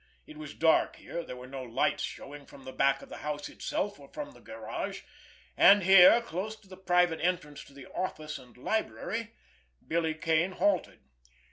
It was dark here, there were no lights showing from the back of the house itself or from the garage; and here, close to the private entrance to the "office" and library, Billy Kane halted.